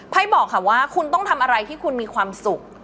บอกค่ะว่าคุณต้องทำอะไรที่คุณมีความสุข